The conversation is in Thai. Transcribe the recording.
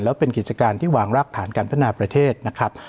แล้วเป็นกิจการที่วางรากฐานการพัฒนาประเทศนะครับ